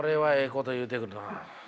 こと言うてくるなあ。